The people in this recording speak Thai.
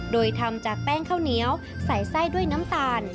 โดยทำจากแป้งข้าวเหนียวใส่ไส้ด้วยน้ำตาล